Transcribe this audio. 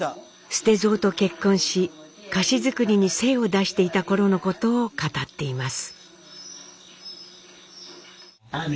捨蔵と結婚し菓子作りに精を出していた頃のことを語っています。